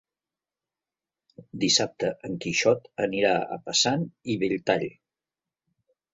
Dissabte en Quixot anirà a Passanant i Belltall.